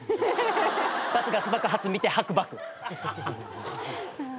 バスガス爆発見て吐くバク。